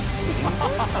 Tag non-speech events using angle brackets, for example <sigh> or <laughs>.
ハハハ <laughs>